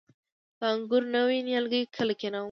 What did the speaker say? د انګورو نوي نیالګي کله کینوم؟